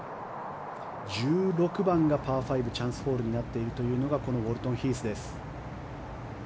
１６番がパー５チャンスホールになっているというのがこのウォルトンヒースです。